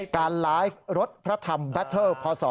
การไลฟ์รถพระธรรมแบตเทอร์พศ